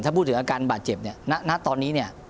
ถ้าพูดถึงอาการบาดเจ็บเนี่ยณตอนนี้เนี่ย